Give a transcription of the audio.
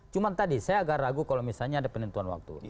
cuma tadi saya agak ragu kalau misalnya ada penentuan waktu